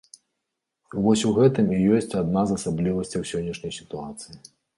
Вось у гэтым і ёсць адна з асаблівасцяў сённяшняй сітуацыі.